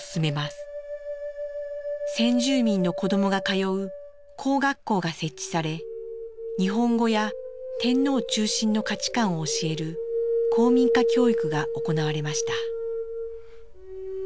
先住民の子どもが通う公学校が設置され日本語や天皇中心の価値観を教える「皇民化教育」が行われました。